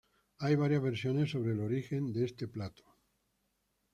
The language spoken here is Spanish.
Hay varias versiones sobre el origen de este plato.